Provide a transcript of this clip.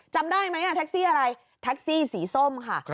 จำได้ไหมแท็กซี่อะไรแท็กซี่สีส้มค่ะ